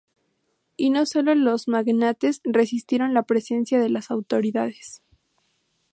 Y no sólo los "magnates" resistieron la presencia de las autoridades.